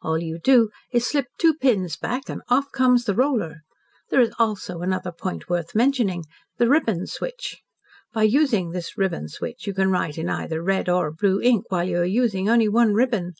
All you do is to slip two pins back and off comes the roller. There is also another point worth mentioning the ribbon switch. By using this ribbon switch you can write in either red or blue ink while you are using only one ribbon.